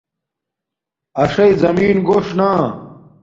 اݽݵ زمین گوݽ نا